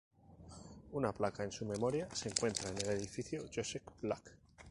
Una placa en su memoria se encuentra en el Edificio Joseph Black.